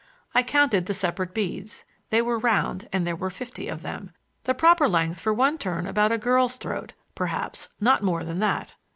I counted the separate beads—they were round and there were fifty of them. The proper length for one turn about a girl's throat, perhaps; not more than that!